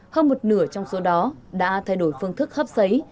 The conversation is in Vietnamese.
hơn một nửa trong số đó đã thay đổi phương thức hấp xấy